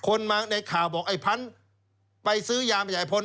คนมาในข่าวบอกไอ้พันธุ์ไปซื้อยามาจากไอ้พนธุ์